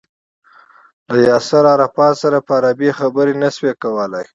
له ياسر عرفات سره په عربي خبرې نه شوای کولای.